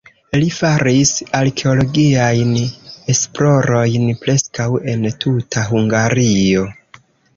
Li faris arkeologiajn esplorojn preskaŭ en tuta Hungario.